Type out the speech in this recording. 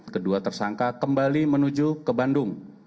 kedua tersangka kembali menuju ke bandung